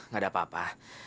gak ada apa apa